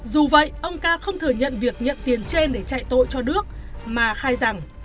dù vậy ông ca không thừa nhận việc nhận tiền trên để chạy tội cho đước mà khai rằng